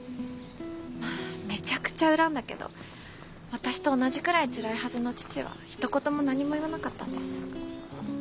めちゃくちゃ恨んだけど私と同じくらいつらいはずの父はひと言も何も言わなかったんです。